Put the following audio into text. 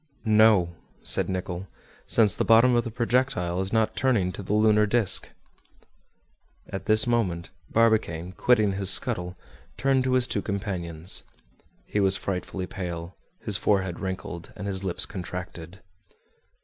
"No," said Nicholl, "since the bottom of the projectile is not turning to the lunar disc!" At this moment, Barbicane, quitting his scuttle, turned to his two companions. He was frightfully pale, his forehead wrinkled, and his lips contracted.